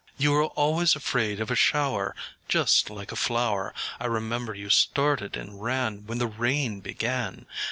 You were always afraid of a shower, Just like a flower: I remember you started and ran When the rain began.